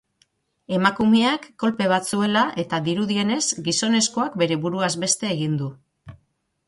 Emakumeak kolpe bat zuela eta dirudienez, gizonezkoak bere buruaz beste egin du.